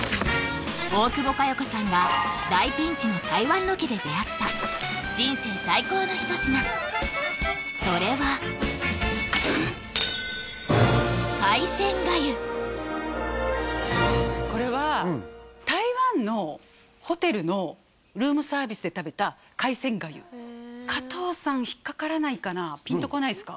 大久保佳代子さんが大ピンチの台湾ロケで出会った人生最高の一品それはこれは加藤さん引っかからないかなピンとこないですか？